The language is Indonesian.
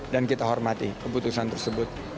dan kita hormati keputusan tersebut